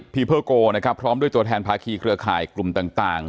พรโกพร้อมด้วยตัวแทนพาขี้เครือข่ายกลุ่มต่าง